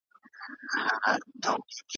په جوپو جوپو به دام ته نه ورتللې `